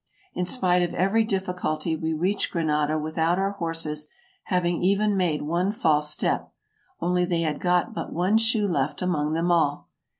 In spite of every difficulty we reached Granada without our horses having even made one false step, only they had got but one shoe left among them all.